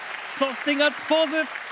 そして、ガッツポーズ！